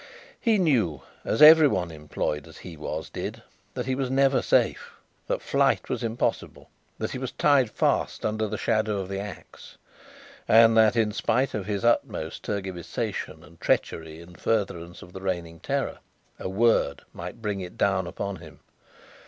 He knew, as every one employed as he was did, that he was never safe; that flight was impossible; that he was tied fast under the shadow of the axe; and that in spite of his utmost tergiversation and treachery in furtherance of the reigning terror, a word might bring it down upon him.